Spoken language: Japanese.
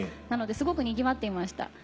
なのですごくにぎわっていました。